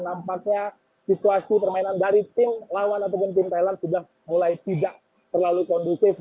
nampaknya situasi permainan dari tim lawan ataupun tim thailand sudah mulai tidak terlalu kondusif